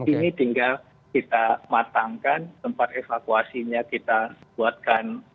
ini tinggal kita matangkan tempat evakuasinya kita buatkan